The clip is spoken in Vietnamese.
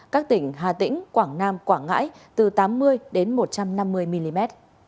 các tỉnh hà tĩnh quảng nam quảng ngãi từ tám mươi đến một trăm năm mươi mm